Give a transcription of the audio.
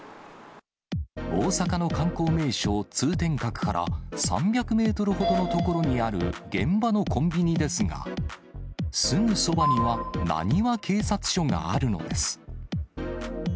大阪の観光名所、通天閣から３００メートルほどの所にある現場のコンビニですが、すぐそばには浪速警察署があるのです。